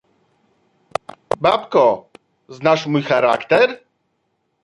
"Babko, znasz mój charakter!"